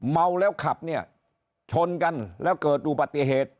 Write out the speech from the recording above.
เมาแล้วขับเนี่ยชนกันแล้วเกิดอุบัติเหตุ